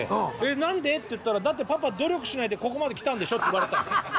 「何で？」って言ったら「だってパパ努力しないでここまで来たんでしょ」って言われた。